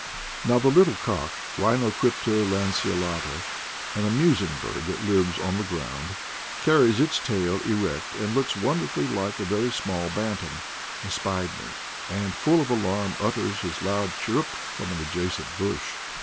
Now the little cock (Ehinocrypa lanceolata), an amusing bird that lives on the ground, carries its tail erect and looks wonderfully like a very small bantam, has spied me, and, full of alarm, utters his loud chirrup from an adjacent bush.